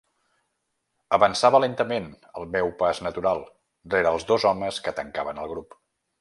Avançava lentament, al meu pas natural, rere els dos homes que tancaven el grup.